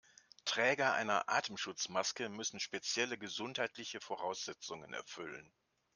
Träger einer Atemschutzmaske müssen spezielle gesundheitliche Voraussetzungen erfüllen.